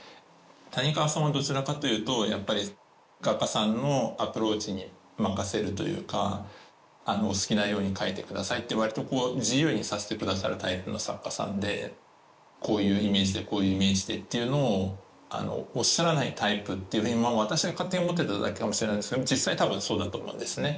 谷川さんはどちらかというとやっぱり画家さんのアプローチに任せるというかお好きなように描いて下さいってわりと自由にさせて下さるタイプの作家さんでこういうイメージでこういうイメージでっていうのをおっしゃらないタイプっていうふうに私が勝手に思ってただけかもしれないですけど実際多分そうだと思うんですね。